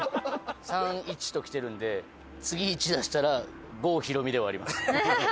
「３」「１」ときてるんで次「１」出したら「５」ひろみではあります。